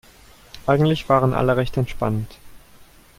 Eigentlich waren alle recht entspannt.